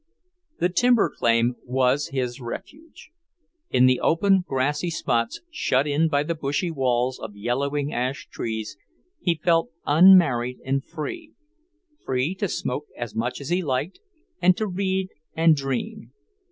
The timber claim was his refuge. In the open, grassy spots, shut in by the bushy walls of yellowing ash trees, he felt unmarried and free; free to smoke as much as he liked, and to read and dream.